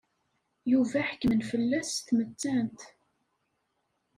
Yuba ḥekmen fell-as s tmettant.